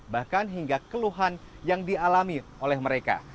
bahkan hingga keluhan yang dialami oleh mereka